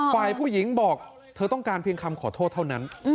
ฝ่ายผู้หญิงบอกเธอต้องการเพียงคำขอโทษเท่านั้น